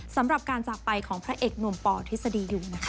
สำหรับการจากไปของพระเอกหนุ่มปทฤษฎียุงนะคะ